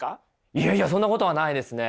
いやいやそんなことはないですね！